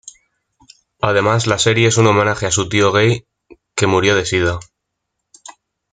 Además la serie es un homenaje a su tío gay que murió de sida.